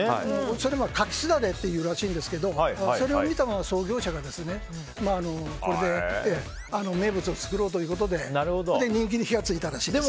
それが柿すだれっていうらしいんですけどそれを見た創業者がこれで名物を作ろうということで人気に火が付いたらしいですよ。